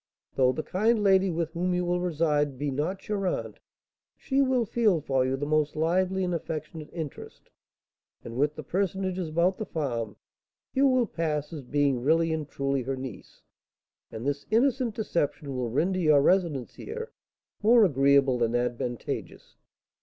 Though the kind lady with whom you will reside be not your aunt, she will feel for you the most lively and affectionate interest, and with the personages about the farm you will pass as being really and truly her niece, and this innocent deception will render your residence here more agreeable and advantageous.